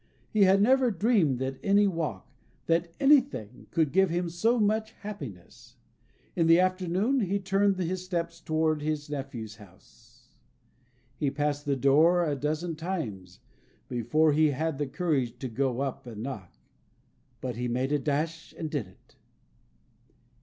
He had never dreamed that any walk that anything could give him so much happiness. In the afternoon, he turned his steps towards his nephew's house. He passed the door a dozen times before he had the courage to go up and knock. But he made a dash and did it.